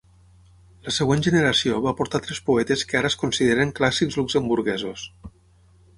La següent generació va portar tres poetes que ara es consideren clàssics luxemburguesos.